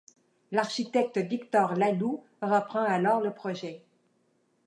L’architecte Victor Laloux reprend alors le projet.